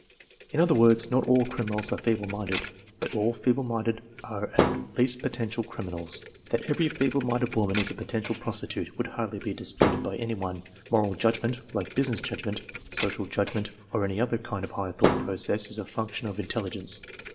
In other words, not all criminals are feeble minded, but all feeble minded are at least potential criminals. That every feeble minded woman is a potential prostitute would hardly be disputed by any one. Moral judgment, like business judgment, social judgment, or any other kind of higher thought process, is a function of in telligence.